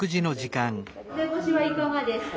梅干しはいかがですか？